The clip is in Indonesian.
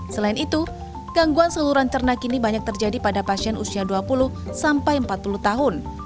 selain itu gangguan saluran cerna kini banyak terjadi pada pasien usia dua puluh sampai empat puluh tahun